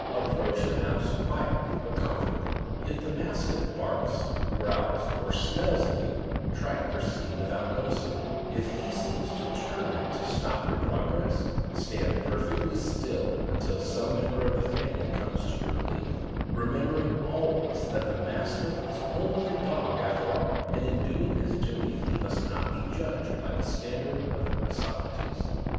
Approach the house qui etly but confidently. If the Mastiff barks, growls, or smells of you, try to proceed without noticing it; if he seems determined to stop your progress, stand perfectly still until some member of the family comes to your relief, remembering always that the Mastiff is only a dog after all, and in doing his duty he must not be judged by the standard of a Socrates.